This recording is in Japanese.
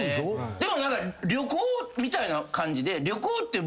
でも旅行みたいな感じで。